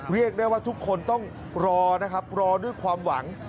เรียกได้ว่าทุกคนต้องรอนะครับรอด้วยความหวัง